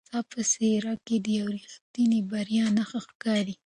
ستا په څېره کې د یوې رښتینې بریا نښې ښکاري.